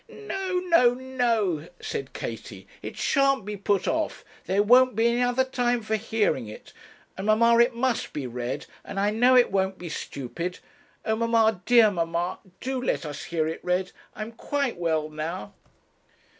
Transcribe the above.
'No, no, no,' said Katie; 'it shan't be put off; there won't be any other time for hearing it. And, mamma it must be read; and I know it won't be stupid. Oh; mamma, dear mamma, do let us hear it read; I'm quite well now.'